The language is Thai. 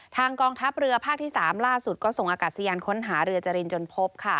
กองทัพเรือภาคที่๓ล่าสุดก็ส่งอากาศยานค้นหาเรือจรินจนพบค่ะ